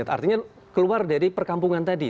artinya keluar dari perkampungan tadi